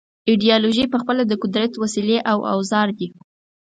ایدیالوژۍ پخپله د قدرت وسیلې او اوزار دي.